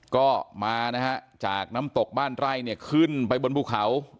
ก็มานะฮะจากน้ำตกบ้านไร่เนี่ยขึ้นไปบนภูเขา